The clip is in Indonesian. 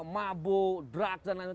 mabo drug dan lain lain